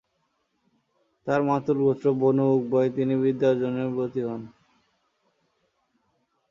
তাঁর মাতুল গোত্র বনু উকবায় তিনি বিদ্যার্জনে ব্রতী হন।